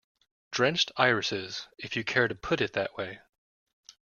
Drenched irises, if you care to put it that way.